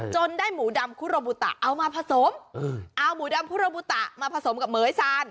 ได้หมูดำคุโรบุตะเอามาผสมเอาหมูดำคุโรบุตะมาผสมกับเหมือยซาน